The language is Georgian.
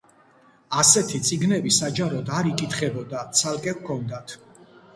ასეთი წიგნები საჯაროდ არ იკითხებოდა, ცალკე ჰქონდათ.